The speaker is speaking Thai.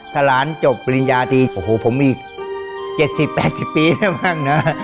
ถ้าร้านจบปริญญาทีโอ้โหผมมี๗๐๘๐ปีแล้วบ้างเนอะ